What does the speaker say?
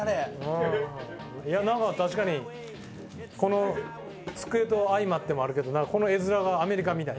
いやなんか確かにこの机と相まってもあるけどこの絵面がアメリカみたい